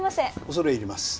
恐れ入ります。